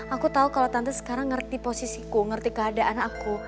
aku tahu kalau tante sekarang ngerti posisiku ngerti keadaan aku